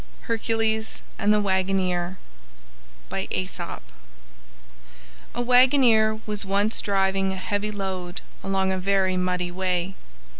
HERCULES AND THE WAGONER A wagoner was once driving a heavy load along a very muddy way.